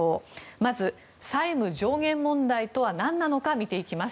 まず、債務上限問題とはなんなのか見ていきます。